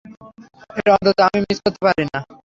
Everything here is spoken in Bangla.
এটা অন্তত আমি মিস করতে পারি না!